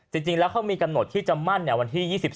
จริงแล้วเขามีกำหนดที่จะมั่นวันที่๒๓